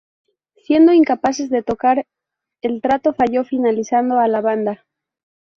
Siendo incapaces de tocar, el trato falló, finalizando a la banda.